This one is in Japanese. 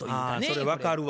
それ分かるわ。